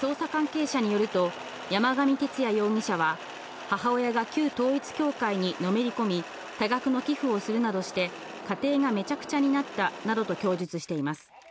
捜査関係者によると山上徹也容疑者は、母親が旧統一教会にのめりこみ、多額の寄付をするなどして家庭がめちゃくちゃになったなどと供述しています。